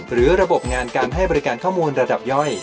หรือระบบงานการให้บริการข้อมูลระดับย่อย